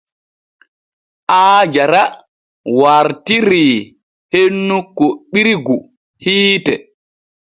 Aajara wartirii hennu kuɓɓirgu hiite.